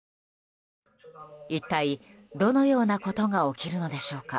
一体、どのようなことが起きるのでしょうか。